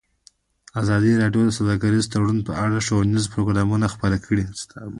ازادي راډیو د سوداګریز تړونونه په اړه ښوونیز پروګرامونه خپاره کړي.